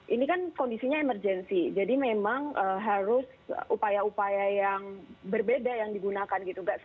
ini kan kondisinya emergensi jadi memang harus upaya upaya yang berbeda yang digunakan gitu